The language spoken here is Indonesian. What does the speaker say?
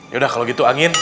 yaudah kalau gitu angin